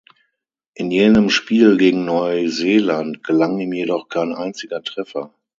In jenem Spiel gegen Neuseeland gelang ihm jedoch kein einziger Treffer.